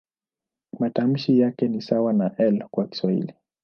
Matamshi yake ni sawa na "L" kwa Kiswahili.